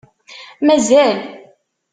Mazal!